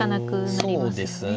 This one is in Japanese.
そうですね。